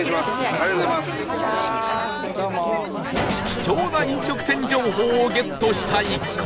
貴重な飲食店情報をゲットした一行